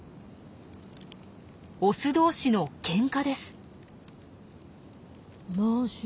オス同士のケンカです。